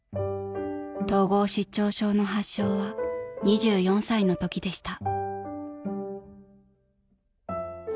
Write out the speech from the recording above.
［統合失調症の発症は２４歳のときでした］